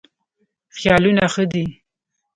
خیالونه ښه دي.